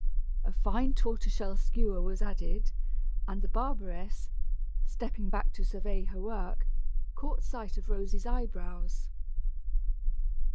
A fine tortoise shell skewer was added, and the barberess, stepping back to survey her work, caught sight of Rosy's eyebrows.